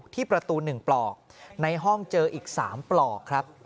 ที่ประตู๑ปลอกในห้องเจออีก๓ปลอกครับ